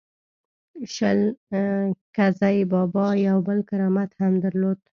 شل ګزی بابا یو بل کرامت هم درلود.